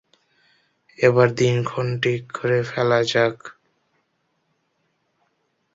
এবার দিন ক্ষণ ঠিক করে ফেলা যাক।